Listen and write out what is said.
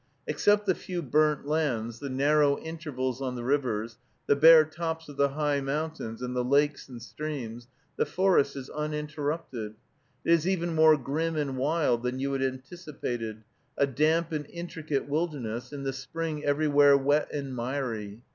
Except the few burnt lands, the narrow intervals on the rivers, the bare tops of the high mountains, and the lakes and streams, the forest is uninterrupted. It is even more grim and wild than you had anticipated, a damp and intricate wilderness, in the spring everywhere wet and miry.